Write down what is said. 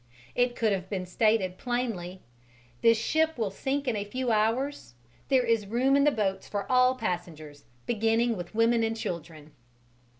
It could have been stated plainly: "This ship will sink in a few hours: there is room in the boats for all passengers, beginning with women and children."